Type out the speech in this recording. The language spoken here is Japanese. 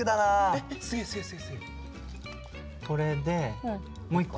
これでもう一個？